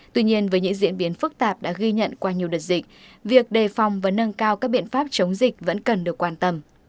tuy nhiên với những diễn biến phức tạp đã ghi nhận qua nhiều đợt dịch việc đề phòng và nâng cao các biện pháp chống dịch vẫn cần được quan tâm